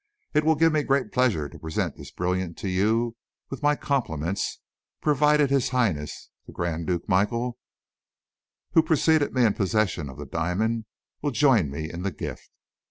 It will give me great pleasure to present this brilliant to you, with my compliments, provided His Highness, the Grand Duke Michael, who preceded me in possession of the diamond, will join me in the gift.